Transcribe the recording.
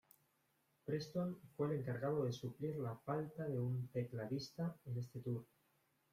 Preston fue el encargado de suplir la falta de un tecladista en este tour.